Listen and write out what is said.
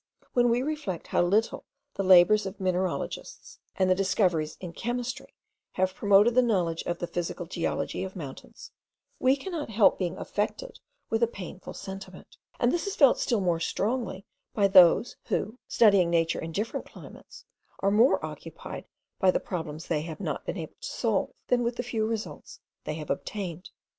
When we reflect how little the labours of mineralogists, and the discoveries in chemistry, have promoted the knowledge of the physical geology of mountains, we cannot help being affected with a painful sentiment; and this is felt still more strongly by those, who, studying nature in different climates, are more occupied by the problems they have not been able to solve, than with the few results they have obtained.